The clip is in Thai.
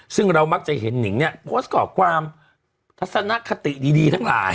ซึ่งเรามักจะเห็นหนิงเนี่ยโพสต์ก่อความทัศนคติดีทั้งหลาย